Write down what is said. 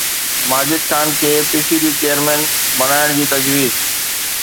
ماجد خان کي P C B chairman بڻائڻ جي تجويز